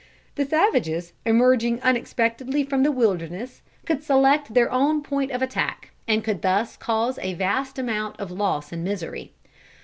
The savages, emerging unexpectedly from the wilderness, could select their own point of attack, and could thus cause a vast amount of loss and misery.